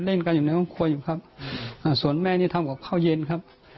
เล่นกันอยู่ในห้องครัวอยู่ครับอ่าส่วนแม่นี่ทำกับข้าวเย็นครับ